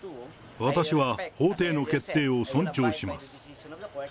私は法廷の決定を尊重します。